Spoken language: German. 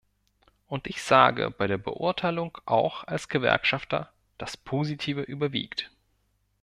Und ich sage bei der Beurteilung auch als Gewerkschafter, das Positive überwiegt.